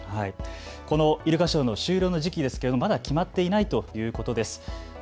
このイルカショーの終了の時期ですけど、まだ決まっていないということです。